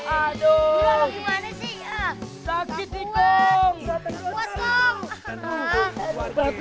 aduh gimana sih